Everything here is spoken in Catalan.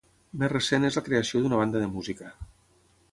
Més recent és la creació d'una banda de música.